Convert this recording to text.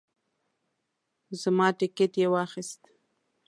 زما ټیکټ یې واخیست.